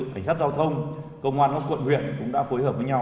cảnh sát giao thông công an các quận huyện cũng đã phối hợp với nhau